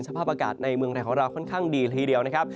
สภาพอากาศในเมืองไทยของเราค่อนข้างดีละทีเดียวนะครับ